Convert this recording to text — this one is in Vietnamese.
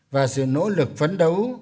và sự nỗ lực phấn đấu